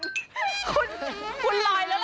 คุณลอยแล้วล่ะ